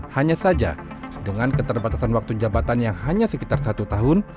hanya saja dengan keterbatasan waktu jabatan yang hanya sekitar satu tahun